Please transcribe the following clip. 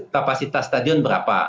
tapasitas stadion berapa